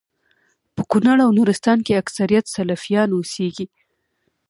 په کونړ او نورستان کي اکثريت سلفيان اوسيږي